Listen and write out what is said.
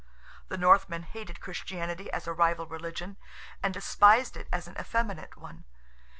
The Northman hated Christianity as a rival religion, and despised it as an effeminate one.